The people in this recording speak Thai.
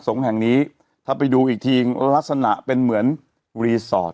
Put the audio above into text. แห่งนี้ถ้าไปดูอีกทีลักษณะเป็นเหมือนรีสอร์ท